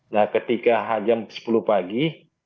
nah ketika jam sepuluh pagi